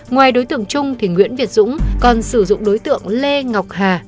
ngoài đối tượng trung thì nguyễn việt dũng còn sử dụng đối tượng lê ngọc hà